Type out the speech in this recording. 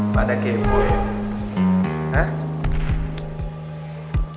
pada game boy